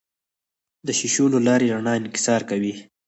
د شیشو له لارې رڼا انکسار کوي.